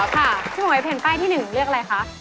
ค่ะที่หมดแปลนที่หนึ่งเลือกอะไรคะ